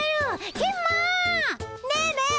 ねえねえ！